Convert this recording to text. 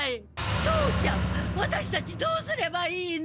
父ちゃんワタシたちどうすればいいの！